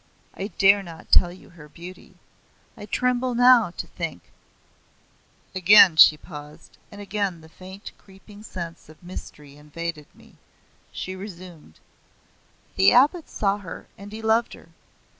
I dare not tell you her beauty. I tremble now to think " Again she paused, and again the faint creeping sense of mystery invaded me. She resumed; "The abbot saw her and he loved her.